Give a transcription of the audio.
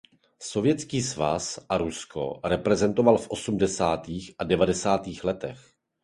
Sovětský svaz a Rusko reprezentoval v osmdesátých a devadesátých letech.